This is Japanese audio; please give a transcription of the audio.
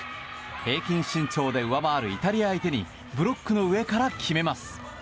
平均身長で上回るイタリア相手にブロックの上から決めます。